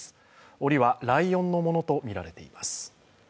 檻はライオンのものとみられています。